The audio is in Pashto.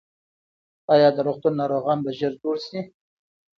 ایا د روغتون ناروغان به ژر جوړ شي؟